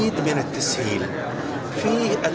di sana ada us impian